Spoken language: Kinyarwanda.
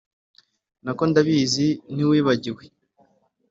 Nako ndabizi ntiwibagiwe .